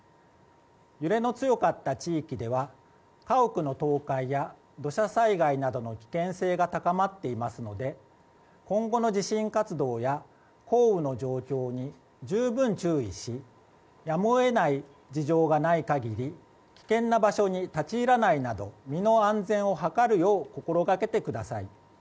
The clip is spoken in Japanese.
揺れの強かった地域では家屋の倒壊や土砂災害などの危険性が高まっていますので今後の地震活動や降雨の状況に十分注意しやむを得ない事情がない限り危険な場所に立ち入らないなど身の安全を図るよう心がけてください。